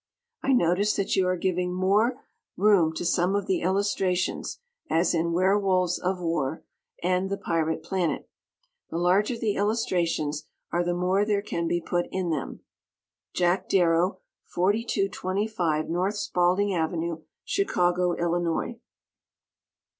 I notice that you are giving more room to some of the illustrations, as in "Werewolves of War" and "The Pirate Planet." The larger the illustrations are the more there can be put in them. Jack Darrow, 4225 No. Spaulding Ave., Chicago, Illinois.